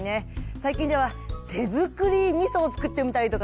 最近では手づくりみそをつくってみたりとかね。